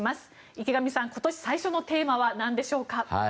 池上さん、今年最初のテーマは何でしょうか。